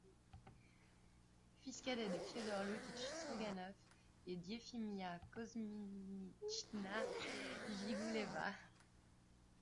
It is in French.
Fils cadet de Fiodor Loukitch Stroganov et d'Iefimia Kozminitchna Jigouleva.